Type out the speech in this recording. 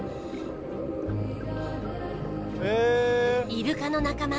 イルカの仲間